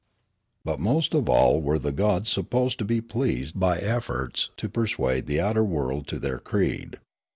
But most of all were the gods supposed to be pleased by efforts to persuade the outer world to their creed.